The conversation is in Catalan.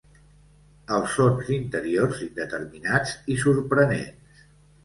Els sons interiors indeterminats i sorprenents.